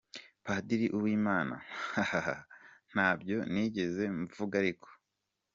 Padiri Uwimana:Hhahaha ntabyo nigeze mvuga ariko.